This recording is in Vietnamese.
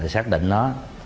xác định nó